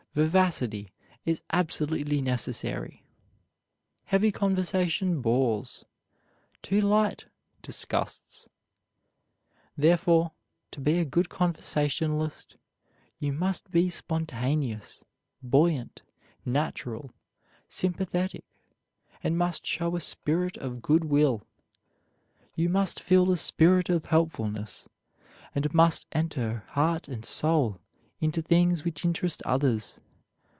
Vivacity is absolutely necessary. Heavy conversation bores; too light, disgusts. Therefore, to be a good conversationalist you must be spontaneous, buoyant, natural, sympathetic, and must show a spirit of good will. You must feel a spirit of helpfulness, and must enter heart and soul into things which interest others.